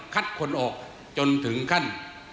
คนออกจนถึงขั้น